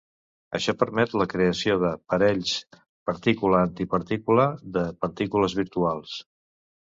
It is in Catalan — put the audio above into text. Això permet la creació de parells partícula-antipartícula de partícules virtuals.